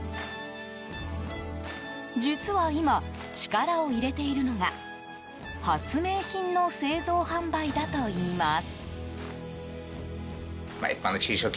実は今、力を入れているのが発明品の製造・販売だといいます。